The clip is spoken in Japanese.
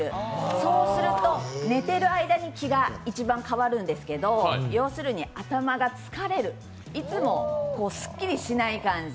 そうすると、寝ている間に気が一番、替わるんですけど要するに頭が疲れる、いつもすっきりしない感じ。